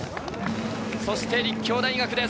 そして立教大学です。